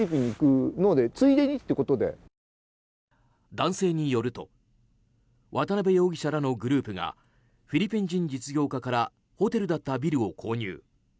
男性によると渡邉容疑者らのグループがフィリピン人実業家からホテルだったビルを購入。